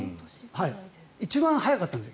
一番早かったんです。